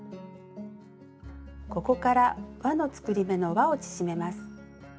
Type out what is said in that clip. ここから「わの作り目」のわを縮めます。